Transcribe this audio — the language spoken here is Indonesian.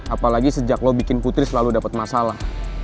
apalagi sejak lo bikin putri selalu dapat masalah